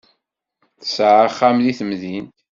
Tesɛa axxam deg temdint.